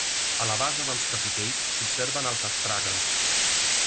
A la base dels capitells s'observen els astràgals.